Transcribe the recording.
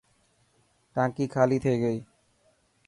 ٽانڪي خالي ٿي گئي.